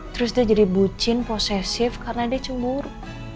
terus dia jadi bucin posesif karena dia cemur